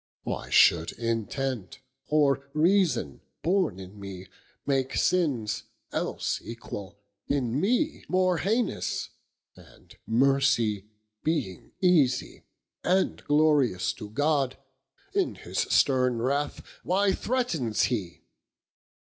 Why should intent or reason, borne in mee, Make sinnes, else equall, in mee more heinous? And mercy being easie, and glorious To God; in his sterne wrath, why threatens hee?